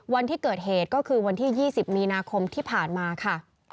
วันที่เกิดเหตุก็คือวันที่๒๐มีนาคมที่ผ่านมาค่ะ